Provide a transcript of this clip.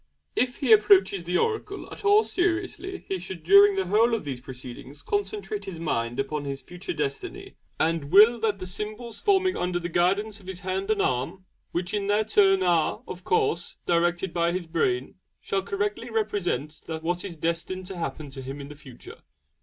If he approaches the oracle at all seriously he should during the whole of these proceedings concentrate his mind upon his future Destiny, and 'will' that the symbols forming under the guidance of his hand and arm (which in their turn are, of course, directed by his brain) shall correctly represent what is destined to happen to him in the future.